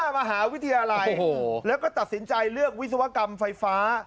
มหาวิทยาลัยแล้วก็ตัดสินใจเลือกวิศวกรรมไฟฟ้า